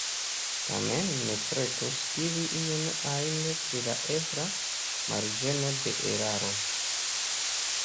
Tamen mi ne pretus diri ion ajn pri la ebla “marĝeno de eraro”.